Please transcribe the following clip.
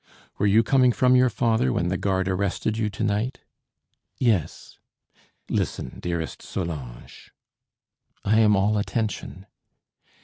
"Were you coming from your father when the guard arrested you to night?" "Yes." "Listen, dearest Solange." "I am all attention."